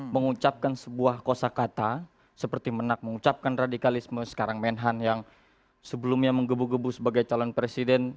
mengucapkan sebuah kosa kata seperti menak mengucapkan radikalisme sekarang menhan yang sebelumnya menggebu gebu sebagai calon presiden